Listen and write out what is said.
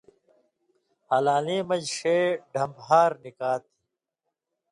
ہلالیں مژ ݜے ڈھمب ہار نِکا تھی